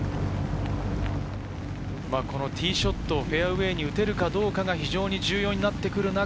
ティーショット、フェアウエーに打てるかどうかが非常に重要になっていきます。